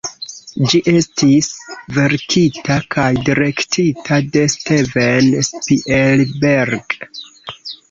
Ĝi estis verkita kaj direktita de Steven Spielberg.